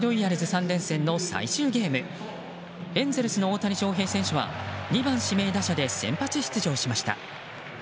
３連戦の最終ゲームエンゼルスの大谷翔平選手は２番指名打者で先発出場しました。